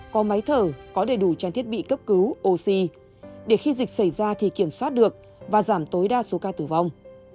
có máy thở có đầy đủ trang thiết bị cấp cứu oxy để khi dịch xảy ra thì kiểm soát được và giảm tối đa số ca tử vong